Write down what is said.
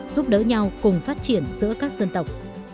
giúp đỡ nhau cùng phát triển giữa các dân tộc